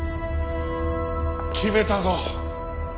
決めたぞ。